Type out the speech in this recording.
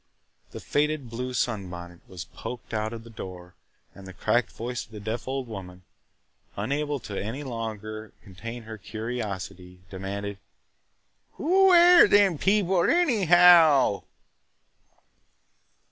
The faded blue sunbonnet was poked out of the door and the cracked voice of the deaf old woman, unable any longer to contain her curiosity, demanded, "Who air them people, anyhow?"